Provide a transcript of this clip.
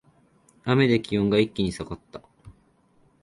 雨で気温が一気に下がった